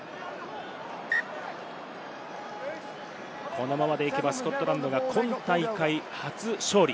このままでいけばスコットランドが今大会初勝利。